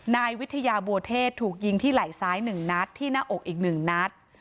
นายวิทยาบัวเทศถูกยิงที่ไหล่ซ้าย๑นัดที่หน้าอกอีก๑นัด